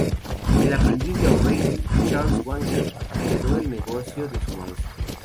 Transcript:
El aprendiz de O'Reilly, Charles Wagner, heredó el negocio de su maestro.